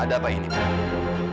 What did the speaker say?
ada apa ini pak